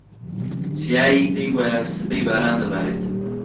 چیایی پێی وایە سبەی باران دەبارێت.